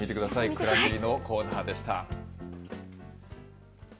くらしりのコーナーでした。